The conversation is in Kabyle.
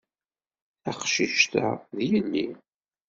Taqcict-a, d yelli.